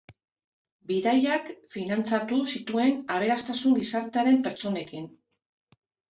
Bidaiak finantzatu zituen aberastasun gizartearen pertsonekin.